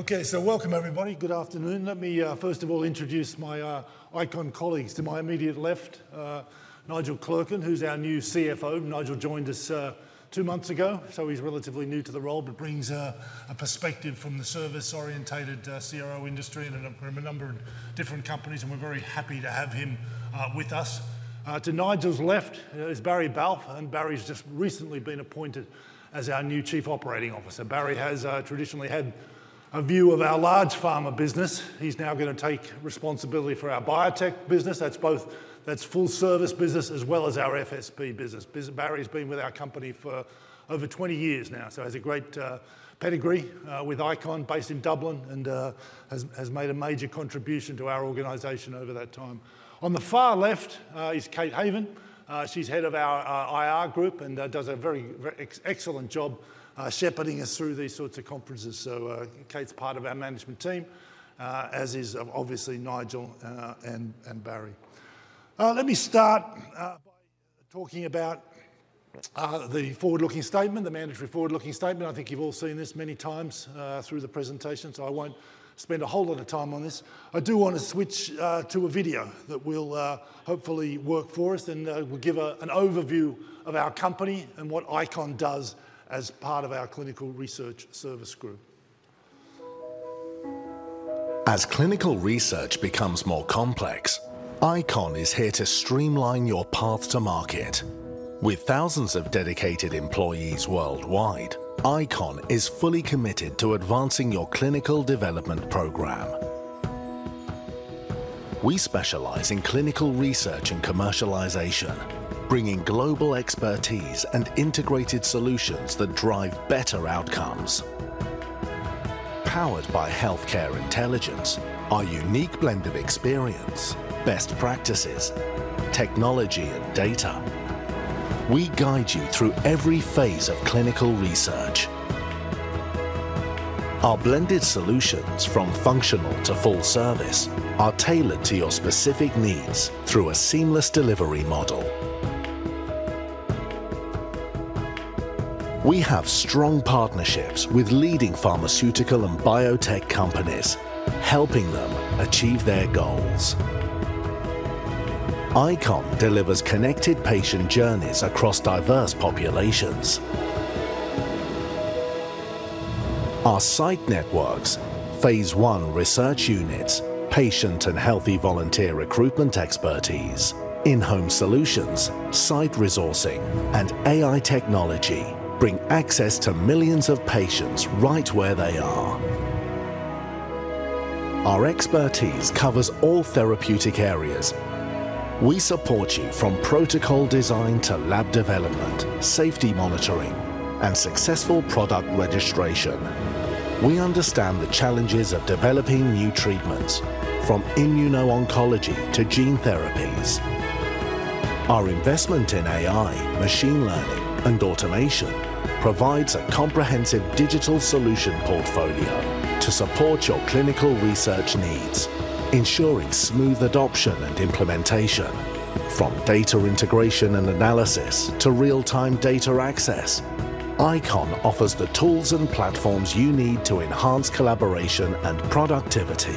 Okay, so welcome, everybody. Good afternoon. Let me, first of all, introduce my ICON colleagues. To my immediate left, Nigel Clerkin, who's our new CFO. Nigel joined us two months ago, so he's relatively new to the role, but brings a perspective from the service-oriented CRO industry and a number of different companies, and we're very happy to have him with us. To Nigel's left is Barry Balfe, and Barry's just recently been appointed as our new Chief Operating Officer. Barry has traditionally had a view of our large pharma business. He's now going to take responsibility for our biotech business. That's both full-service business as well as our FSP business. Barry's been with our company for over 20 years now, so he has a great pedigree with ICON, based in Dublin, and has made a major contribution to our organization over that time. On the far left is Kate Haven. She's head of our IR group and does a very excellent job shepherding us through these sorts of conferences. So Kate's part of our management team, as is obviously Nigel and Barry. Let me start by talking about the forward-looking statement, the mandatory forward-looking statement. I think you've all seen this many times through the presentation, so I won't spend a whole lot of time on this. I do want to switch to a video that will hopefully work for us and will give an overview of our company and what ICON does as part of our clinical research service group. As clinical research becomes more complex, ICON is here to streamline your path to market. With thousands of dedicated employees worldwide, ICON is fully committed to advancing your clinical development program. We specialize in clinical research and commercialization, bringing global expertise and integrated solutions that drive better outcomes. Powered by healthcare intelligence, our unique blend of experience, best practices, technology, and data, we guide you through every phase of clinical research. Our blended solutions, from functional to full service, are tailored to your specific needs through a seamless delivery model. We have strong partnerships with leading pharmaceutical and biotech companies, helping them achieve their goals. ICON delivers connected patient journeys across diverse populations. Our site networks, phase I research units, patient and healthy volunteer recruitment expertise, in-home solutions, site resourcing, and AI technology bring access to millions of patients right where they are. Our expertise covers all therapeutic areas. We support you from protocol design to lab development, safety monitoring, and successful product registration. We understand the challenges of developing new treatments, from immuno-oncology to gene therapies. Our investment in AI, machine learning, and automation provides a comprehensive digital solution portfolio to support your clinical research needs, ensuring smooth adoption and implementation. From data integration and analysis to real-time data access, ICON offers the tools and platforms you need to enhance collaboration and productivity.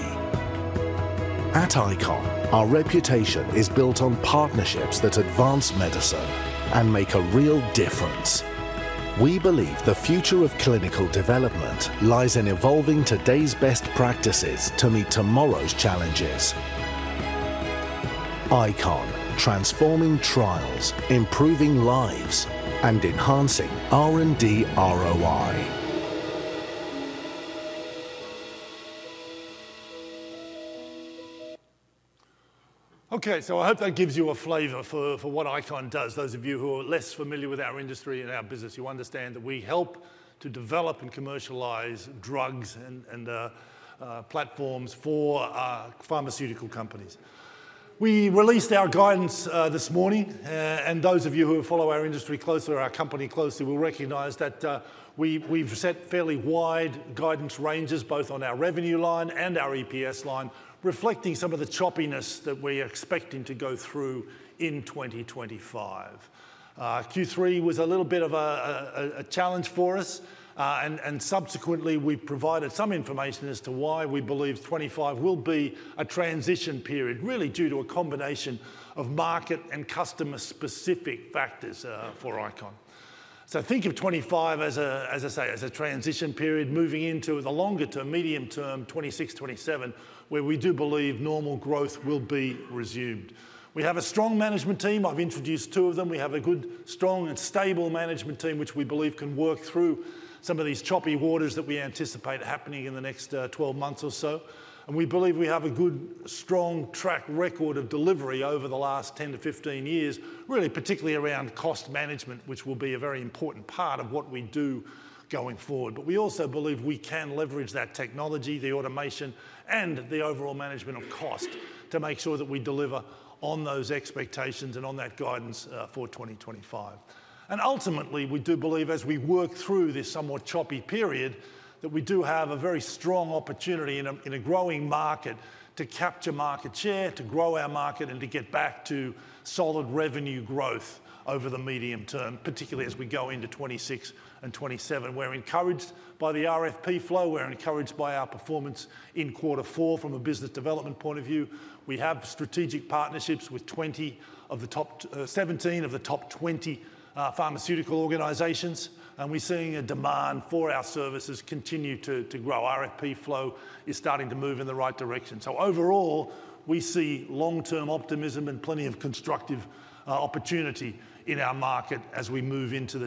At ICON, our reputation is built on partnerships that advance medicine and make a real difference. We believe the future of clinical development lies in evolving today's best practices to meet tomorrow's challenges. ICON, transforming trials, improving lives, and enhancing R&D ROI. Okay, so I hope that gives you a flavor for what ICON does. Those of you who are less familiar with our industry and our business, you understand that we help to develop and commercialize drugs and platforms for pharmaceutical companies. We released our guidance this morning, and those of you who follow our industry closely, our company closely, will recognize that we've set fairly wide guidance ranges, both on our revenue line and our EPS line, reflecting some of the choppiness that we're expecting to go through in 2025. Q3 was a little bit of a challenge for us, and subsequently, we provided some information as to why we believe 2025 will be a transition period, really due to a combination of market and customer-specific factors for ICON. So think of 2025, as I say, as a transition period moving into the longer-term, medium-term, 2026, 2027, where we do believe normal growth will be resumed. We have a strong management team. I've introduced two of them. We have a good, strong, and stable management team, which we believe can work through some of these choppy waters that we anticipate happening in the next 12 months or so. And we believe we have a good, strong track record of delivery over the last 10-15 years, really particularly around cost management, which will be a very important part of what we do going forward. But we also believe we can leverage that technology, the automation, and the overall management of cost to make sure that we deliver on those expectations and on that guidance for 2025. Ultimately, we do believe, as we work through this somewhat choppy period, that we do have a very strong opportunity in a growing market to capture market share, to grow our market, and to get back to solid revenue growth over the medium term, particularly as we go into 2026 and 2027. We're encouraged by the RFP flow. We're encouraged by our performance in quarter four from a business development point of view. We have strategic partnerships with 17 of the top 20 pharmaceutical organizations, and we're seeing a demand for our services continue to grow. RFP flow is starting to move in the right direction. Overall, we see long-term optimism and plenty of constructive opportunity in our market as we move into the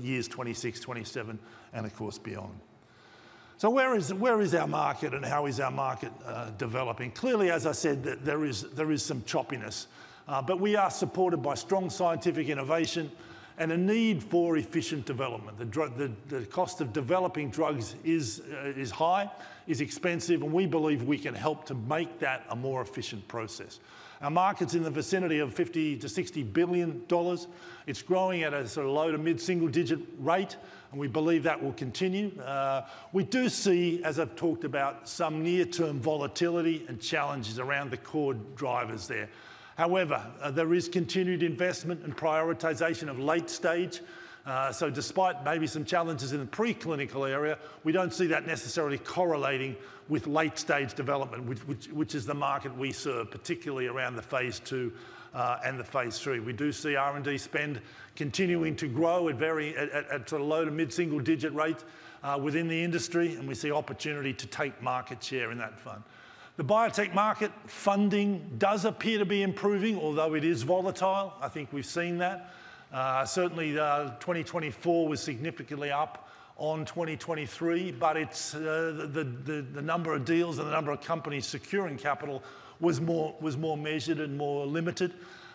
years 2026, 2027, and of course beyond. Where is our market, and how is our market developing? Clearly, as I said, there is some choppiness, but we are supported by strong scientific innovation and a need for efficient development. The cost of developing drugs is high, is expensive, and we believe we can help to make that a more efficient process. Our market's in the vicinity of $50-$60 billion. It's growing at a sort of low to mid-single-digit rate, and we believe that will continue. We do see, as I've talked about, some near-term volatility and challenges around the core drivers there. However, there is continued investment and prioritization of late stage. So despite maybe some challenges in the preclinical area, we don't see that necessarily correlating with late-stage development, which is the market we serve, particularly around the phase II and the phase III. We do see R&D spend continuing to grow at sort of low- to mid-single-digit rates within the industry, and we see opportunity to take market share in that front. The biotech market funding does appear to be improving, although it is volatile. I think we've seen that. Certainly, 2024 was significantly up on 2023, but the number of deals and the number of companies securing capital was more measured and more limited.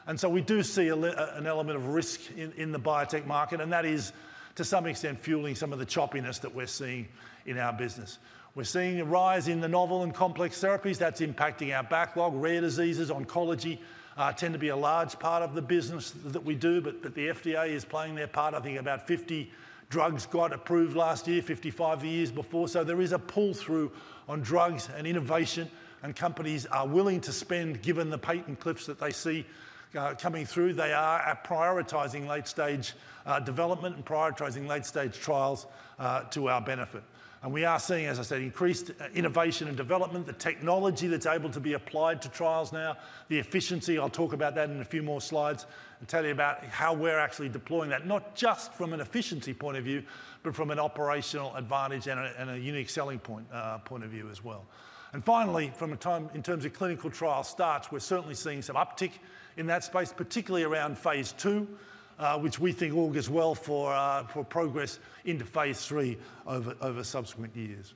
And so we do see an element of risk in the biotech market, and that is, to some extent, fueling some of the choppiness that we're seeing in our business. We're seeing a rise in the novel and complex therapies. That's impacting our backlog. Rare diseases, oncology, tend to be a large part of the business that we do, but the FDA is playing their part. I think about 50 drugs got approved last year, 55 the year before. So there is a pull-through on drugs and innovation, and companies are willing to spend, given the patent cliffs that they see coming through. They are prioritizing late-stage development and prioritizing late-stage trials to our benefit. And we are seeing, as I said, increased innovation and development, the technology that's able to be applied to trials now, the efficiency. I'll talk about that in a few more slides and tell you about how we're actually deploying that, not just from an efficiency point of view, but from an operational advantage and a unique selling point of view as well. And finally, in terms of clinical trial starts, we're certainly seeing some uptick in that space, particularly around phase II, which we think augurs well for progress into phase III over subsequent years.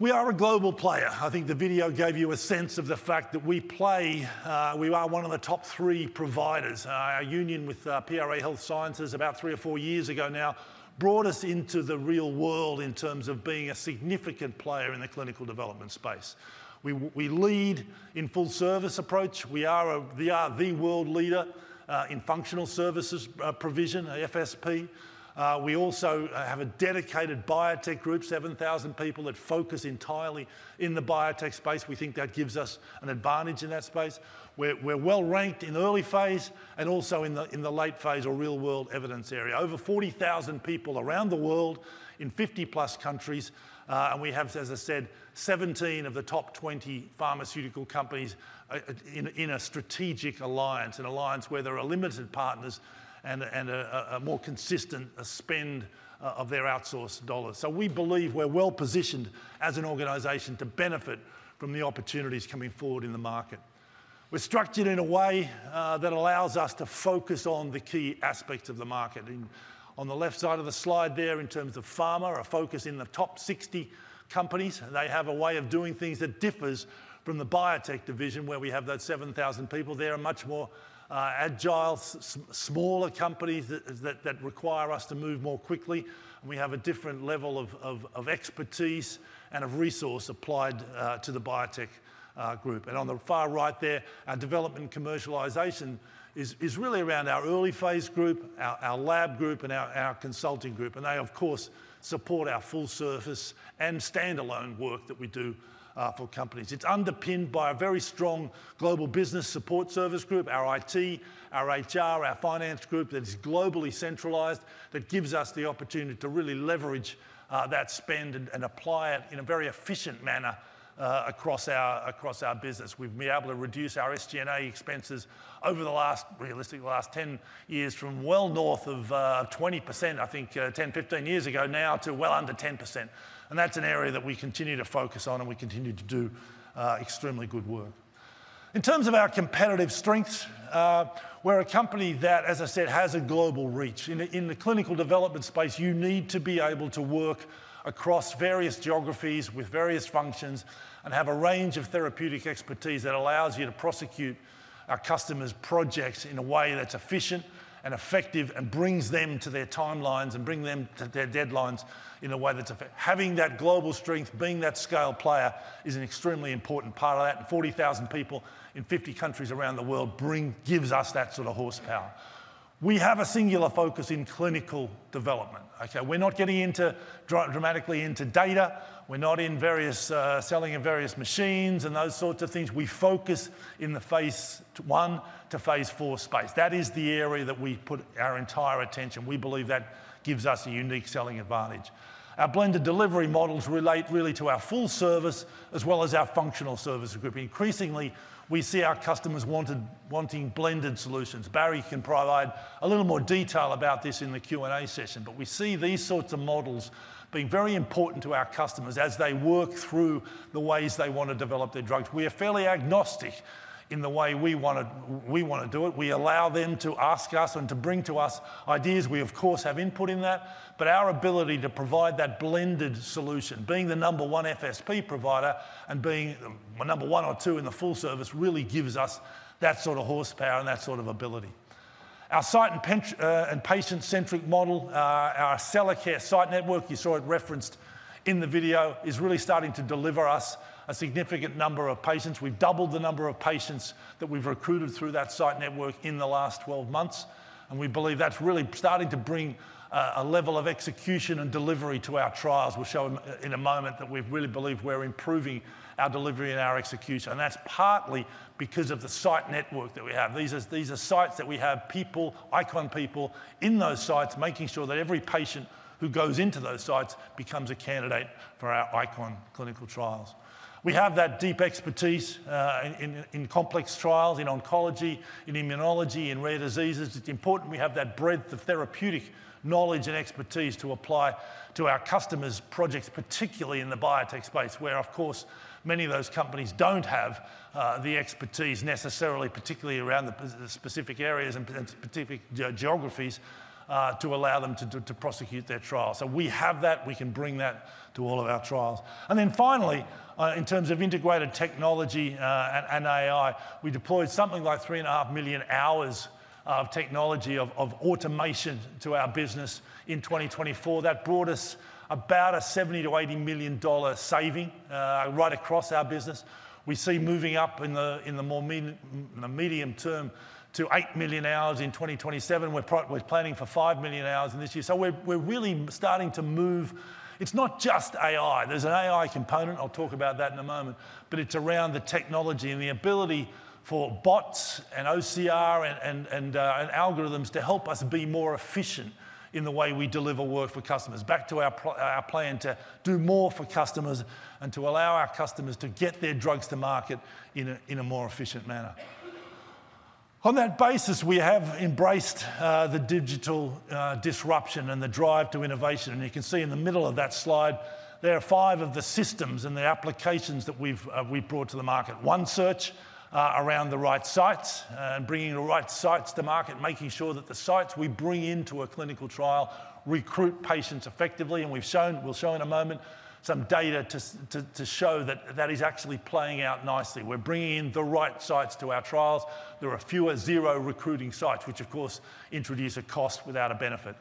We are a global player. I think the video gave you a sense of the fact that we play, we are one of the top three providers. Our union with PRA Health Sciences, about three or four years ago now, brought us into the real world in terms of being a significant player in the clinical development space. We lead in full-service approach. We are the world leader in functional services provision, FSP. We also have a dedicated biotech group, 7,000 people that focus entirely in the biotech space. We think that gives us an advantage in that space. We're well-ranked in early phase and also in the late phase or real-world evidence area. Over 40,000 people around the world in 50-plus countries, and we have, as I said, 17 of the top 20 pharmaceutical companies in a strategic alliance, an alliance where there are limited partners and a more consistent spend of their outsourced dollars. So we believe we're well-positioned as an organization to benefit from the opportunities coming forward in the market. We're structured in a way that allows us to focus on the key aspects of the market. On the left side of the slide there, in terms of pharma, a focus in the top 60 companies, they have a way of doing things that differs from the biotech division, where we have those 7,000 people. They're much more agile, smaller companies that require us to move more quickly, and we have a different level of expertise and of resource applied to the biotech group. On the far right there, our development and commercialization is really around our early phase group, our lab group, and our consulting group. They, of course, support our full-service and standalone work that we do for companies. It's underpinned by a very strong global business support service group, our IT, our HR, our finance group that is globally centralized, that gives us the opportunity to really leverage that spend and apply it in a very efficient manner across our business. We've been able to reduce our SG&A expenses over the last, realistically, the last 10 years from well north of 20%, I think 10, 15 years ago now, to well under 10%. That's an area that we continue to focus on, and we continue to do extremely good work. In terms of our competitive strengths, we're a company that, as I said, has a global reach. In the clinical development space, you need to be able to work across various geographies with various functions and have a range of therapeutic expertise that allows you to prosecute our customers' projects in a way that's efficient and effective and brings them to their timelines and brings them to their deadlines in a way that's effective. Having that global strength, being that scale player, is an extremely important part of that. And 40,000 people in 50 countries around the world gives us that sort of horsepower. We have a singular focus in clinical development. Okay, we're not getting dramatically into data. We're not in selling of various machines and those sorts of things. We focus in the phase one to phase four space. That is the area that we put our entire attention. We believe that gives us a unique selling advantage. Our blended delivery models relate really to our full service as well as our functional service group. Increasingly, we see our customers wanting blended solutions. Barry can provide a little more detail about this in the Q&A session, but we see these sorts of models being very important to our customers as they work through the ways they want to develop their drugs. We are fairly agnostic in the way we want to do it. We allow them to ask us and to bring to us ideas. We, of course, have input in that, but our ability to provide that blended solution, being the number one FSP provider and being number one or two in the full service, really gives us that sort of horsepower and that sort of ability. Our site and patient-centric model, our Accellacare site network, you saw it referenced in the video, is really starting to deliver us a significant number of patients. We've doubled the number of patients that we've recruited through that site network in the last 12 months, and we believe that's really starting to bring a level of execution and delivery to our trials. We'll show in a moment that we really believe we're improving our delivery and our execution, and that's partly because of the site network that we have. These are sites that we have ICON people in those sites making sure that every patient who goes into those sites becomes a candidate for our ICON clinical trials. We have that deep expertise in complex trials in oncology, in immunology, in rare diseases. It's important we have that breadth of therapeutic knowledge and expertise to apply to our customers' projects, particularly in the biotech space, where, of course, many of those companies don't have the expertise necessarily, particularly around the specific areas and specific geographies, to allow them to prosecute their trials. So we have that. We can bring that to all of our trials. And then finally, in terms of integrated technology and AI, we deployed something like three and a half million hours of technology of automation to our business in 2024. That brought us about a $70-$80 million saving right across our business. We see moving up in the medium term to eight million hours in 2027. We're planning for five million hours in this year. So we're really starting to move. It's not just AI. There's an AI component. I'll talk about that in a moment, but it's around the technology and the ability for bots and OCR and algorithms to help us be more efficient in the way we deliver work for customers. Back to our plan to do more for customers and to allow our customers to get their drugs to market in a more efficient manner. On that basis, we have embraced the digital disruption and the drive to innovation, and you can see in the middle of that slide, there are five of the systems and the applications that we've brought to the market. One Search around the right sites and bringing the right sites to market, making sure that the sites we bring into a clinical trial recruit patients effectively, and we'll show in a moment some data to show that that is actually playing out nicely. We're bringing in the right sites to our trials. There are fewer zero recruiting sites, which, of course, introduce a cost without a benefit.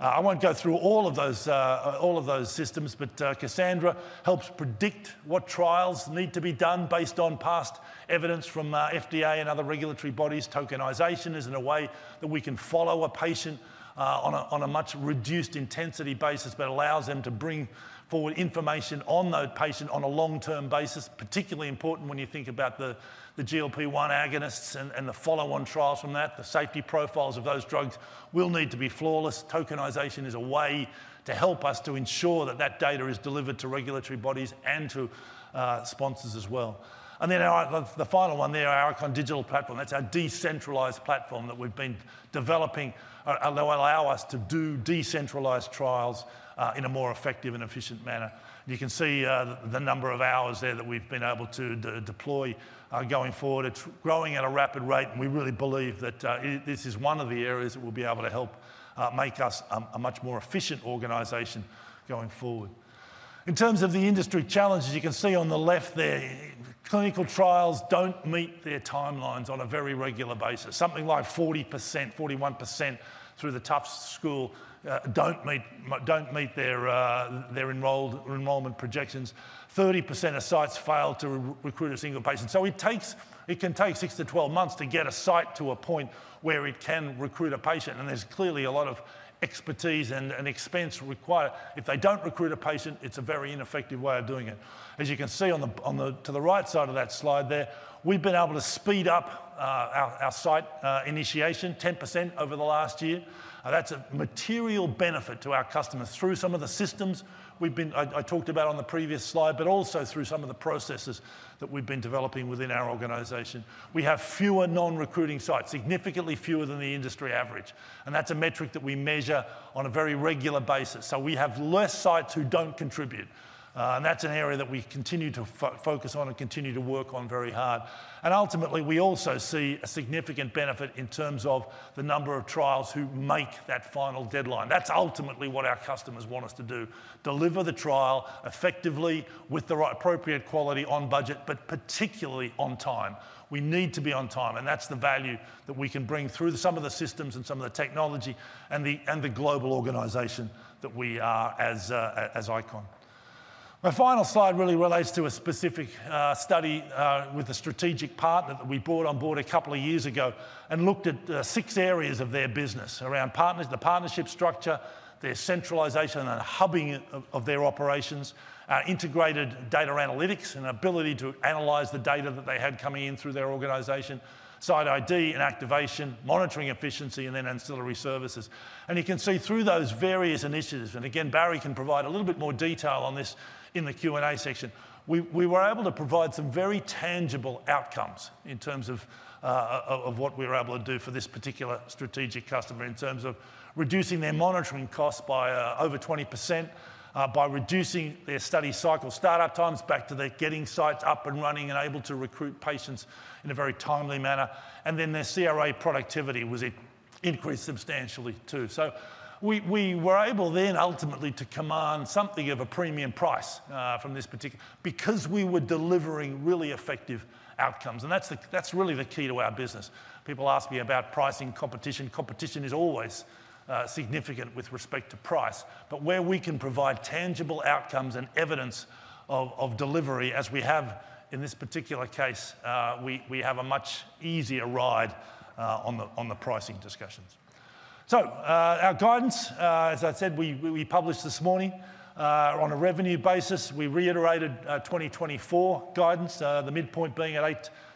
I won't go through all of those systems, but Cassandra helps predict what trials need to be done based on past evidence from FDA and other regulatory bodies. Tokenization is a way that we can follow a patient on a much reduced intensity basis, but allows them to bring forward information on the patient on a long-term basis. Particularly important when you think about the GLP-1 agonists and the follow-on trials from that. The safety profiles of those drugs will need to be flawless. Tokenization is a way to help us to ensure that that data is delivered to regulatory bodies and to sponsors as well, and then the final one there, our ICON Digital Platform. That's our decentralized platform that we've been developing that will allow us to do decentralized trials in a more effective and efficient manner. You can see the number of hours there that we've been able to deploy going forward. It's growing at a rapid rate, and we really believe that this is one of the areas that will be able to help make us a much more efficient organization going forward. In terms of the industry challenges, you can see on the left there, clinical trials don't meet their timelines on a very regular basis. Something like 40%, 41% through the Tufts School don't meet their enrollment projections. 30% of sites fail to recruit a single patient. So it can take six to 12 months to get a site to a point where it can recruit a patient. And there's clearly a lot of expertise and expense required. If they don't recruit a patient, it's a very ineffective way of doing it. As you can see on the right side of that slide there, we've been able to speed up our site initiation, 10% over the last year. That's a material benefit to our customers through some of the systems I talked about on the previous slide, but also through some of the processes that we've been developing within our organization. We have fewer non-recruiting sites, significantly fewer than the industry average. And that's a metric that we measure on a very regular basis. So we have less sites who don't contribute. And that's an area that we continue to focus on and continue to work on very hard. And ultimately, we also see a significant benefit in terms of the number of trials who make that final deadline. That's ultimately what our customers want us to do: deliver the trial effectively with the appropriate quality on budget, but particularly on time. We need to be on time, and that's the value that we can bring through some of the systems and some of the technology and the global organization that we are as ICON. My final slide really relates to a specific study with a strategic partner that we brought on board a couple of years ago and looked at six areas of their business around the partnership structure, their centralization and hubbing of their operations, integrated data analytics, and ability to analyze the data that they had coming in through their organization, site ID and activation, monitoring efficiency, and then ancillary services. And you can see through those various initiatives, and again, Barry can provide a little bit more detail on this in the Q&A section. We were able to provide some very tangible outcomes in terms of what we were able to do for this particular strategic customer in terms of reducing their monitoring costs by over 20%, by reducing their study cycle startup times back to getting sites up and running and able to recruit patients in a very timely manner. And then their CRA productivity was increased substantially too. So we were able then ultimately to command something of a premium price from this particular. Because we were delivering really effective outcomes. And that's really the key to our business. People ask me about pricing competition. Competition is always significant with respect to price, but where we can provide tangible outcomes and evidence of delivery, as we have in this particular case, we have a much easier ride on the pricing discussions. Our guidance, as I said, we published this morning on a revenue basis. We reiterated 2024 guidance, the midpoint being at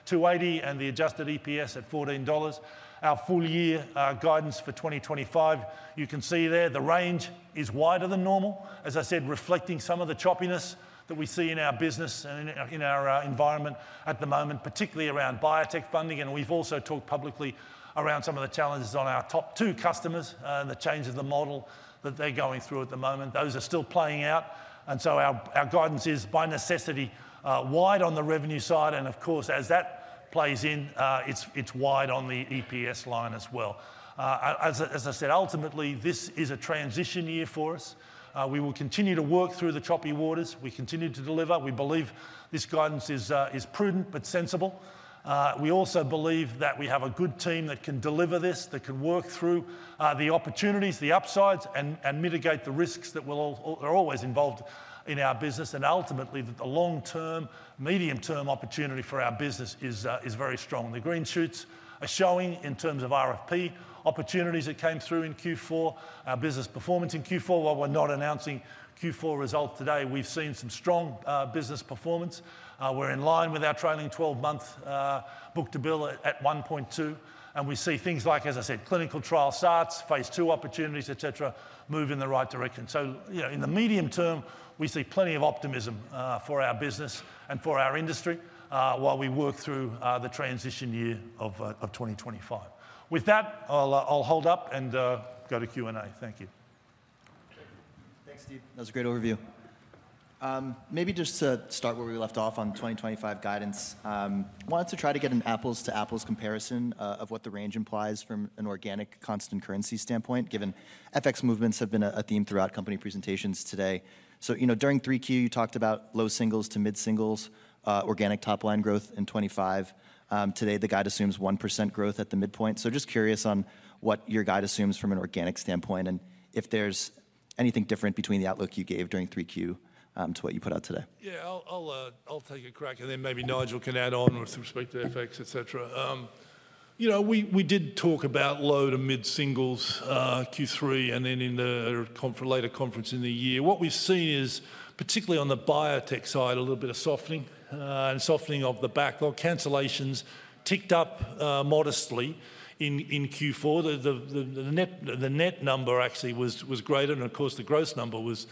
$8,280 and the Adjusted EPS at $14. Our full year guidance for 2025, you can see there, the range is wider than normal. As I said, reflecting some of the choppiness that we see in our business and in our environment at the moment, particularly around biotech funding. We've also talked publicly around some of the challenges on our top two customers and the change of the model that they're going through at the moment. Those are still playing out. And so our guidance is, by necessity, wide on the revenue side. And of course, as that plays in, it's wide on the EPS line as well. As I said, ultimately, this is a transition year for us. We will continue to work through the choppy waters. We continue to deliver. We believe this guidance is prudent but sensible. We also believe that we have a good team that can deliver this, that can work through the opportunities, the upsides, and mitigate the risks that are always involved in our business. And ultimately, the long-term, medium-term opportunity for our business is very strong. The green shoots are showing in terms of RFP opportunities that came through in Q4, our business performance in Q4. While we're not announcing Q4 results today, we've seen some strong business performance. We're in line with our trailing 12-month book-to-bill at 1.2. And we see things like, as I said, clinical trial sites, phase II opportunities, etc., move in the right direction. So in the medium term, we see plenty of optimism for our business and for our industry while we work through the transition year of 2025. With that, I'll hold up and go to Q&A. Thank you. Thanks, Steve. That was a great overview. Maybe just to start where we left off on 2025 guidance, I wanted to try to get an apples-to-apples comparison of what the range implies from an organic constant currency standpoint, given FX movements have been a theme throughout company presentations today. So during 3Q, you talked about low singles to mid-singles, organic top-line growth in 2025. Today, the guide assumes 1% growth at the midpoint. So just curious on what your guide assumes from an organic standpoint and if there's anything different between the outlook you gave during 3Q to what you put out today. Yeah, I'll take a crack, and then maybe Nigel can add on with respect to FX, etc. We did talk about low to mid-singles Q3 and then in the later conference in the year. What we've seen is, particularly on the biotech side, a little bit of softening and softening of the backlog. Cancellations ticked up modestly in Q4. The net number actually was greater, and of course, the gross number was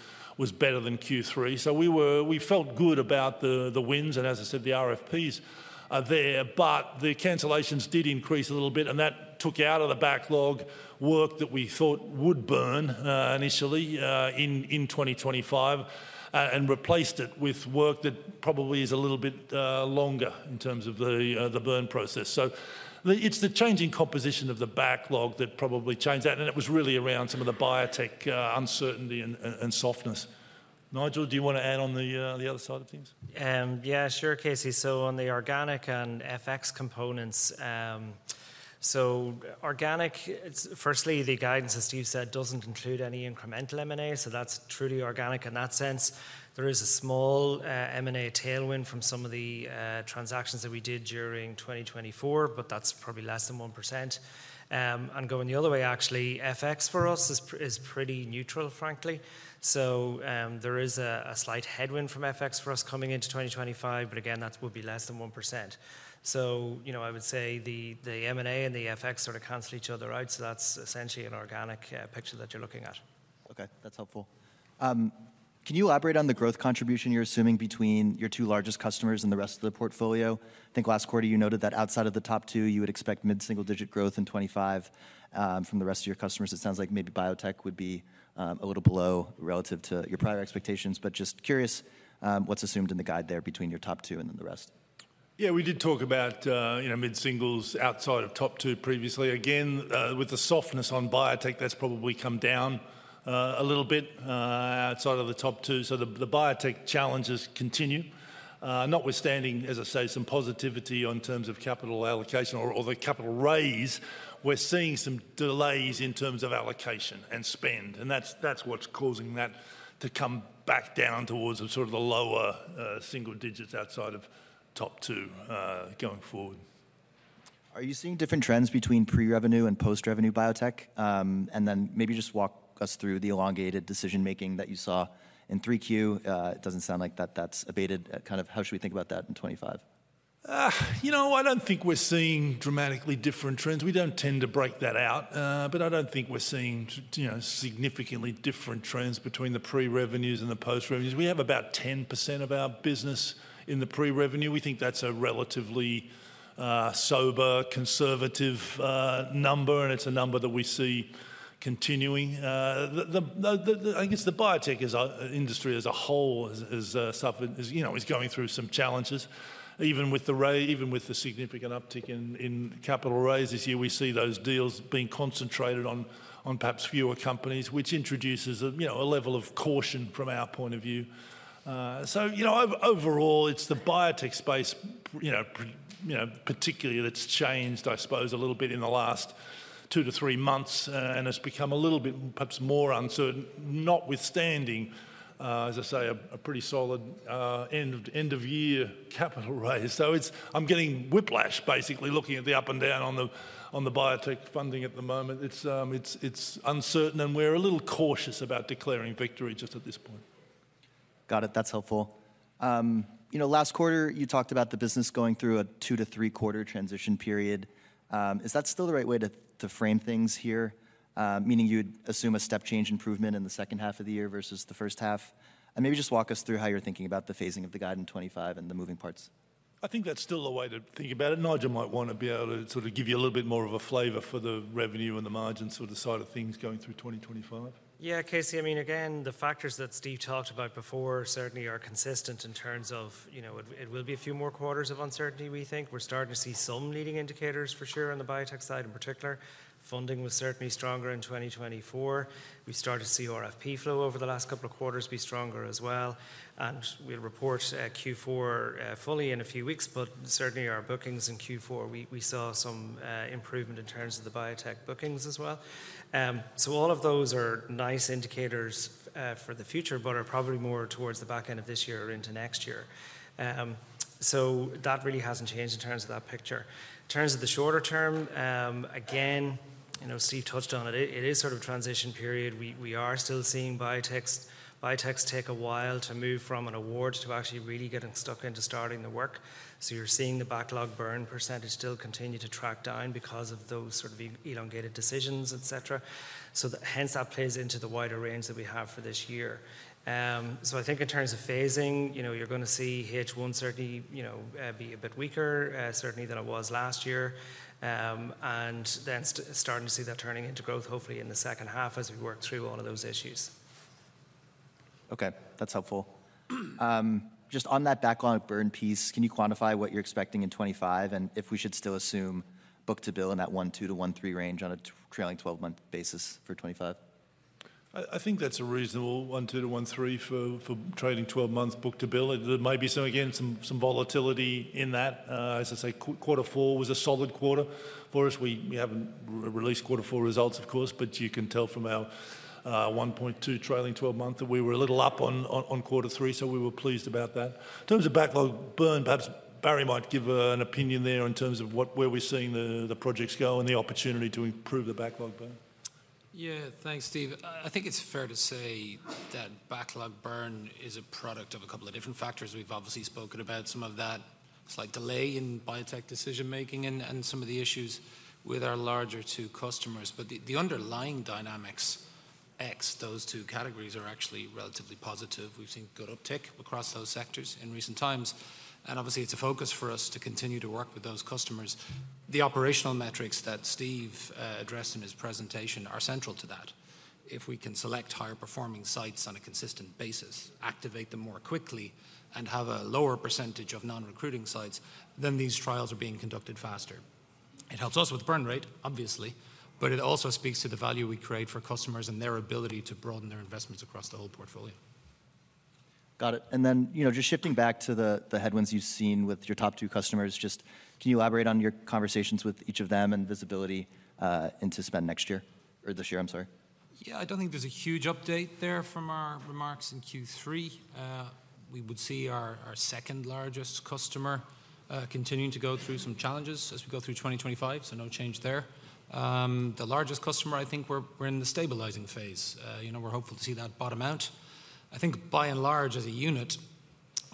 better than Q3. So we felt good about the wins and, as I said, the RFPs there. But the cancellations did increase a little bit, and that took out of the backlog work that we thought would burn initially in 2025 and replaced it with work that probably is a little bit longer in terms of the burn process. So it's the changing composition of the backlog that probably changed that, and it was really around some of the biotech uncertainty and softness. Nigel, do you want to add on the other side of things? Yeah, sure, Casey. So on the organic and FX components, so organic, firstly, the guidance, as Steve said, doesn't include any incremental M&A, so that's truly organic in that sense. There is a small M&A tailwind from some of the transactions that we did during 2024, but that's probably less than 1%. And going the other way, actually, FX for us is pretty neutral, frankly. So there is a slight headwind from FX for us coming into 2025, but again, that will be less than 1%. So I would say the M&A and the FX sort of cancel each other out. So that's essentially an organic picture that you're looking at. Okay, that's helpful. Can you elaborate on the growth contribution you're assuming between your two largest customers and the rest of the portfolio? I think last quarter you noted that outside of the top two, you would expect mid-single digit growth in 2025 from the rest of your customers. It sounds like maybe biotech would be a little below relative to your prior expectations, but just curious what's assumed in the guide there between your top two and then the rest. Yeah, we did talk about mid-singles outside of top two previously. Again, with the softness on biotech, that's probably come down a little bit outside of the top two. So the biotech challenges continue. Notwithstanding, as I say, some positivity on terms of capital allocation or the capital raise, we're seeing some delays in terms of allocation and spend. And that's what's causing that to come back down towards sort of the lower single digits outside of top two going forward. Are you seeing different trends between pre-revenue and post-revenue biotech? And then maybe just walk us through the elongated decision-making that you saw in 3Q. It doesn't sound like that that's abated. Kind of how should we think about that in 2025? You know, I don't think we're seeing dramatically different trends. We don't tend to break that out, but I don't think we're seeing significantly different trends between the pre-revenues and the post-revenues. We have about 10% of our business in the pre-revenue. We think that's a relatively sober, conservative number, and it's a number that we see continuing. I guess the biotech industry as a whole is going through some challenges, even with the significant uptick in capital raise. This year, we see those deals being concentrated on perhaps fewer companies, which introduces a level of caution from our point of view. So overall, it's the biotech space particularly that's changed, I suppose, a little bit in the last two to three months, and it's become a little bit perhaps more uncertain, notwithstanding, as I say, a pretty solid end-of-year capital raise. I'm getting whiplash basically looking at the up and down on the biotech funding at the moment. It's uncertain, and we're a little cautious about declaring victory just at this point. Got it. That's helpful. Last quarter, you talked about the business going through a two- to three-quarter transition period. Is that still the right way to frame things here, meaning you'd assume a step change improvement in the second half of the year versus the first half, and maybe just walk us through how you're thinking about the phasing of the guide in 2025 and the moving parts. I think that's still the way to think about it. Nigel might want to be able to sort of give you a little bit more of a flavor for the revenue and the margin sort of side of things going through 2025. Yeah, Casey, I mean, again, the factors that Steve talked about before certainly are consistent in terms of it will be a few more quarters of uncertainty, we think. We're starting to see some leading indicators for sure on the biotech side in particular. Funding was certainly stronger in 2024. We started to see RFP flow over the last couple of quarters be stronger as well, and we'll report Q4 fully in a few weeks, but certainly our bookings in Q4, we saw some improvement in terms of the biotech bookings as well, so all of those are nice indicators for the future, but are probably more towards the back end of this year or into next year, so that really hasn't changed in terms of that picture. In terms of the shorter term, again, Steve touched on it. It is sort of a transition period. We are still seeing biotechs take a while to move from an award to actually really getting stuck into starting the work. So you're seeing the backlog burn percentage still continue to track down because of those sort of elongated decisions, etc. So hence that plays into the wider range that we have for this year. So I think in terms of phasing, you're going to see H1 certainly be a bit weaker, certainly than it was last year, and then starting to see that turning into growth, hopefully in the second half as we work through all of those issues. Okay, that's helpful. Just on that backlog burn piece, can you quantify what you're expecting in 2025 and if we should still assume book-to-bill in that 1.2-1.3 range on a trailing 12-month basis for 2025? I think that's a reasonable 1.2-1.3 for trailing 12 months book-to-bill. There might be some, again, some volatility in that. As I say, quarter four was a solid quarter for us. We haven't released quarter four results, of course, but you can tell from our 1.2 trailing 12-month that we were a little up on quarter three, so we were pleased about that. In terms of backlog burn, perhaps Barry might give an opinion there in terms of where we're seeing the projects go and the opportunity to improve the backlog burn. Yeah, thanks, Steve. I think it's fair to say that backlog burn is a product of a couple of different factors. We've obviously spoken about some of that slight delay in biotech decision-making and some of the issues with our larger two customers. But the underlying dynamics excluding those two categories are actually relatively positive. We've seen good uptick across those sectors in recent times. And obviously, it's a focus for us to continue to work with those customers. The operational metrics that Steve addressed in his presentation are central to that. If we can select higher-performing sites on a consistent basis, activate them more quickly, and have a lower percentage of non-recruiting sites, then these trials are being conducted faster. It helps us with burn rate, obviously, but it also speaks to the value we create for customers and their ability to broaden their investments across the whole portfolio. Got it. And then just shifting back to the headwinds you've seen with your top two customers, just can you elaborate on your conversations with each of them and visibility into spend next year or this year, I'm sorry? Yeah, I don't think there's a huge update there from our remarks in Q3. We would see our second-largest customer continuing to go through some challenges as we go through 2025, so no change there. The largest customer, I think we're in the stabilizing phase. We're hopeful to see that bottom out. I think by and large, as a unit,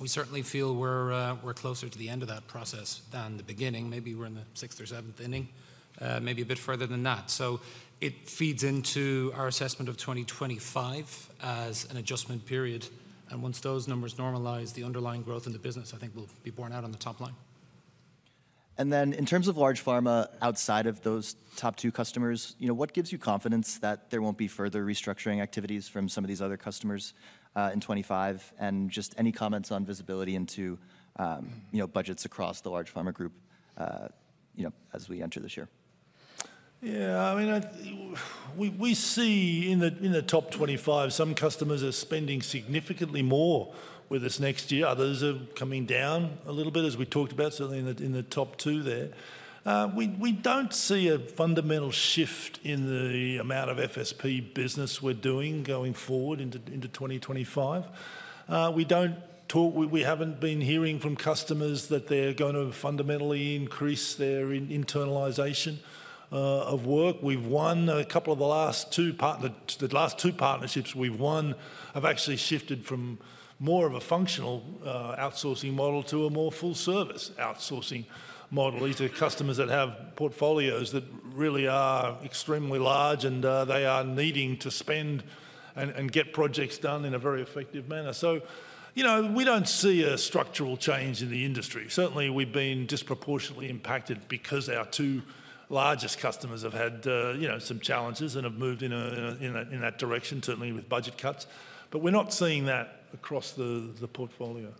we certainly feel we're closer to the end of that process than the beginning. Maybe we're in the sixth or seventh inning, maybe a bit further than that. So it feeds into our assessment of 2025 as an adjustment period, and once those numbers normalize, the underlying growth in the business, I think, will be borne out on the top line. And then in terms of large pharma outside of those top two customers, what gives you confidence that there won't be further restructuring activities from some of these other customers in 2025? And just any comments on visibility into budgets across the large pharma group as we enter this year? Yeah, I mean, we see in the top 25, some customers are spending significantly more with us next year. Others are coming down a little bit, as we talked about, certainly in the top two there. We don't see a fundamental shift in the amount of FSP business we're doing going forward into 2025. We haven't been hearing from customers that they're going to fundamentally increase their internalization of work. We've won a couple of the last two partnerships have actually shifted from more of a functional outsourcing model to a more full-service outsourcing model. These are customers that have portfolios that really are extremely large, and they are needing to spend and get projects done in a very effective manner. So we don't see a structural change in the industry. Certainly, we've been disproportionately impacted because our two largest customers have had some challenges and have moved in that direction, certainly with budget cuts, but we're not seeing that across the portfolio.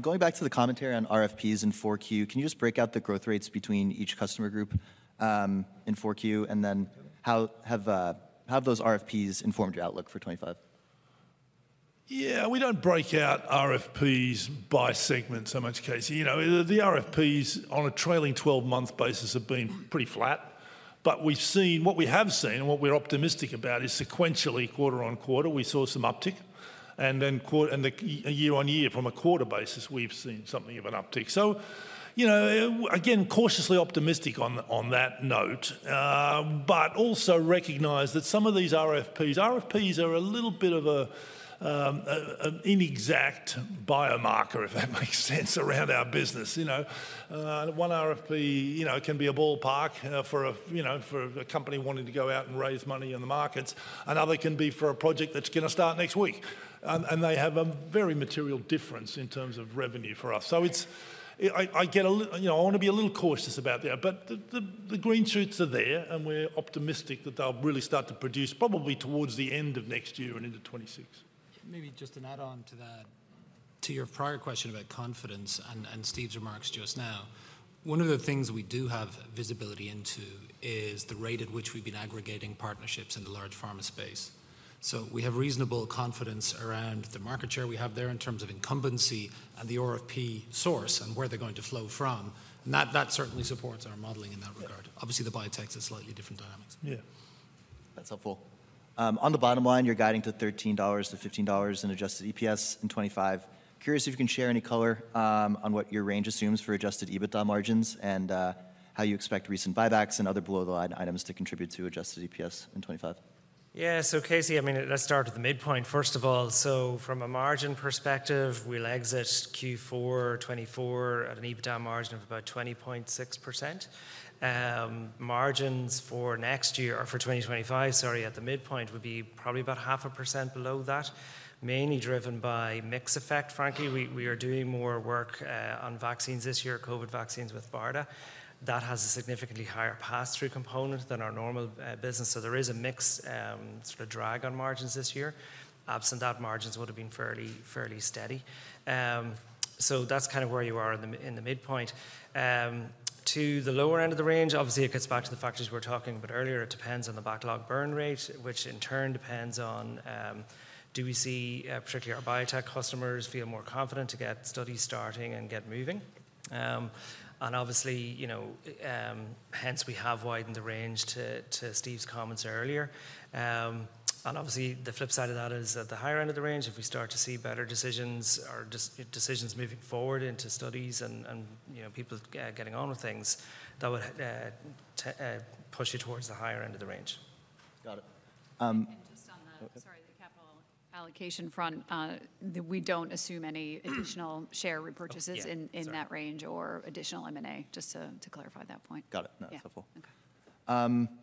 Going back to the commentary on RFPs in 4Q, can you just break out the growth rates between each customer group in 4Q, and then how have those RFPs informed your outlook for 2025? Yeah, we don't break out RFPs by segment so much, Casey. The RFPs on a trailing 12-month basis have been pretty flat. But what we have seen and what we're optimistic about is sequentially, quarter on quarter, we saw some uptick. And then year on year, from a quarter basis, we've seen something of an uptick. So again, cautiously optimistic on that note, but also recognize that some of these RFPs are a little bit of an inexact biomarker, if that makes sense, around our business. One RFP can be a ballpark for a company wanting to go out and raise money in the markets. Another can be for a project that's going to start next week. And they have a very material difference in terms of revenue for us. So I want to be a little cautious about that. But the green shoots are there, and we're optimistic that they'll really start to produce probably towards the end of next year and into 2026. Maybe just an add-on to your prior question about confidence and Steve's remarks just now. One of the things we do have visibility into is the rate at which we've been aggregating partnerships in the large pharma space. So we have reasonable confidence around the market share we have there in terms of incumbency and the RFP source and where they're going to flow from. And that certainly supports our modeling in that regard. Obviously, the biotechs are slightly different dynamics. Yeah, that's helpful. On the bottom line, you're guiding to $13-$15 in adjusted EPS in 2025. Curious if you can share any color on what your range assumes for adjusted EBITDA margins and how you expect recent buybacks and other below-the-line items to contribute to adjusted EPS in 2025? Yeah, so Casey, I mean, let's start at the midpoint, first of all. So from a margin perspective, we'll exit Q4 2024 at an EBITDA margin of about 20.6%. Margins for next year or for 2025, sorry, at the midpoint would be probably about 0.5% below that, mainly driven by mix effect. Frankly, we are doing more work on vaccines this year, COVID vaccines with BARDA. That has a significantly higher pass-through component than our normal business. So there is a mixed sort of drag on margins this year. Absent that, margins would have been fairly steady. So that's kind of where you are in the midpoint. To the lower end of the range, obviously, it gets back to the factors we were talking about earlier. It depends on the backlog burn rate, which in turn depends on do we see particularly our biotech customers feel more confident to get studies starting and get moving, and obviously, hence we have widened the range to Steve's comments earlier, and obviously, the flip side of that is at the higher end of the range, if we start to see better decisions or decisions moving forward into studies and people getting on with things, that would push you towards the higher end of the range. Got it. Just on the, sorry, the capital allocation front, we don't assume any additional share repurchases in that range or additional M&A, just to clarify that point. Got it. That's helpful.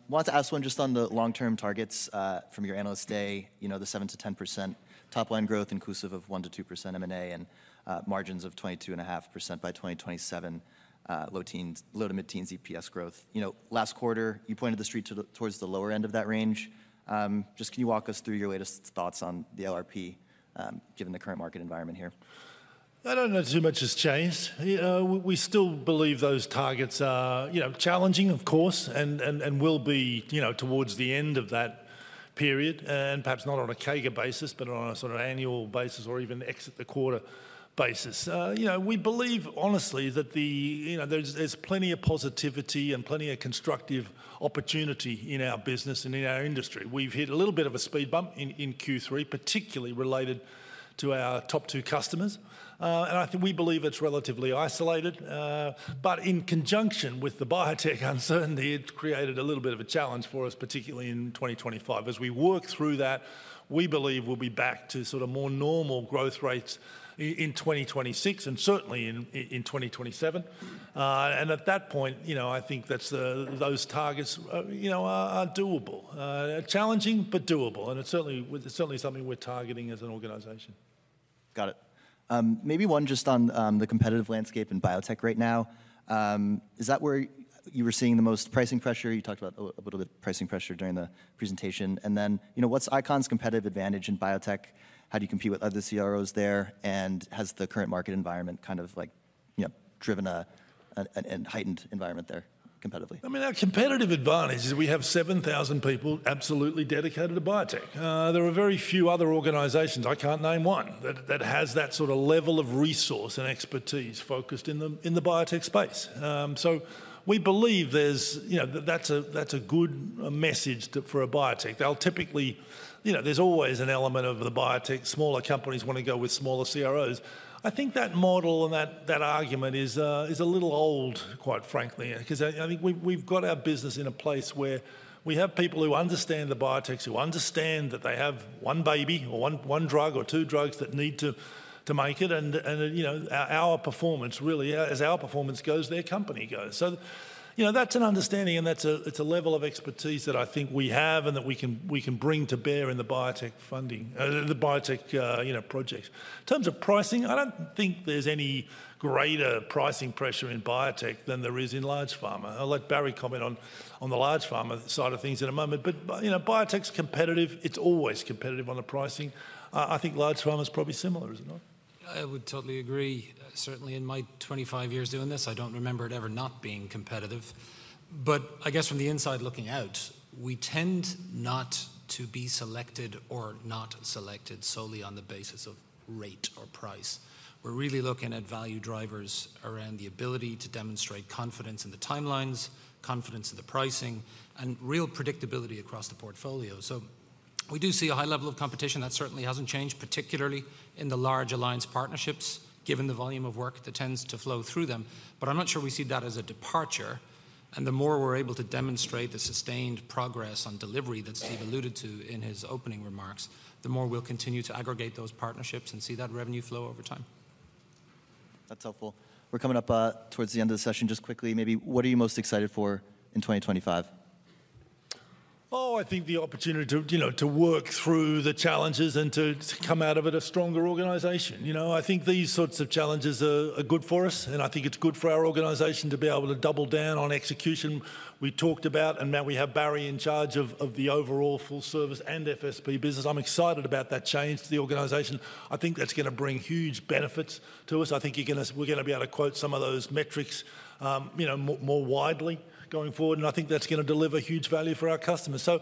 Wanted to ask one just on the long-term targets from your analyst day, the 7%-10% top-line growth inclusive of 1%-2% M&A and margins of 22.5% by 2027, low-to-mid-teens EPS growth. Last quarter, you pointed the street towards the lower end of that range. Just can you walk us through your latest thoughts on the LRP given the current market environment here? I don't know, too much has changed. We still believe those targets are challenging, of course, and will be towards the end of that period, and perhaps not on a CAGR basis, but on a sort of annual basis or even exit the quarter basis. We believe, honestly, that there's plenty of positivity and plenty of constructive opportunity in our business and in our industry. We've hit a little bit of a speed bump in Q3, particularly related to our top two customers, and I think we believe it's relatively isolated, but in conjunction with the biotech uncertainty, it created a little bit of a challenge for us, particularly in 2025. As we work through that, we believe we'll be back to sort of more normal growth rates in 2026 and certainly in 2027, and at that point, I think that those targets are doable. Challenging, but doable. It's certainly something we're targeting as an organization. Got it. Maybe one just on the competitive landscape in biotech right now. Is that where you were seeing the most pricing pressure? You talked about a little bit of pricing pressure during the presentation. And then what's ICON's competitive advantage in biotech? How do you compete with other CROs there? And has the current market environment kind of driven a heightened environment there competitively? I mean, our competitive advantage is we have 7,000 people absolutely dedicated to biotech. There are very few other organizations, I can't name one, that has that sort of level of resource and expertise focused in the biotech space. So we believe that's a good message for a biotech. There's always an element of the biotech. Smaller companies want to go with smaller CROs. I think that model and that argument is a little old, quite frankly, because I think we've got our business in a place where we have people who understand the biotechs, who understand that they have one baby or one drug or two drugs that need to make it. And our performance, really, as our performance goes, their company goes. So that's an understanding, and that's a level of expertise that I think we have and that we can bring to bear in the biotech projects. In terms of pricing, I don't think there's any greater pricing pressure in biotech than there is in large pharma. I'll let Barry comment on the large pharma side of things in a moment. But biotech's competitive. It's always competitive on the pricing. I think large pharma's probably similar, isn't it? I would totally agree. Certainly, in my 25 years doing this, I don't remember it ever not being competitive. But I guess from the inside looking out, we tend not to be selected or not selected solely on the basis of rate or price. We're really looking at value drivers around the ability to demonstrate confidence in the timelines, confidence in the pricing, and real predictability across the portfolio. So we do see a high level of competition. That certainly hasn't changed, particularly in the large alliance partnerships, given the volume of work that tends to flow through them. But I'm not sure we see that as a departure. And the more we're able to demonstrate the sustained progress on delivery that Steve alluded to in his opening remarks, the more we'll continue to aggregate those partnerships and see that revenue flow over time. That's helpful. We're coming up towards the end of the session. Just quickly, maybe, what are you most excited for in 2025? Oh, I think the opportunity to work through the challenges and to come out of it a stronger organization. I think these sorts of challenges are good for us, and I think it's good for our organization to be able to double down on execution. We talked about, and now we have Barry in charge of the overall full-service and FSP business. I'm excited about that change to the organization. I think that's going to bring huge benefits to us. I think we're going to be able to quote some of those metrics more widely going forward, and I think that's going to deliver huge value for our customers. So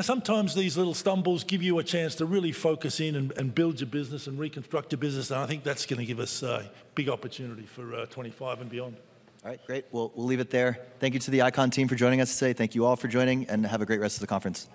sometimes these little stumbles give you a chance to really focus in and build your business and reconstruct your business, and I think that's going to give us a big opportunity for 2025 and beyond. All right. Great. We'll leave it there. Thank you to the ICON team for joining us today. Thank you all for joining, and have a great rest of the conference.